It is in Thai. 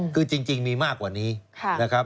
คือจริงมีมากกว่านี้นะครับ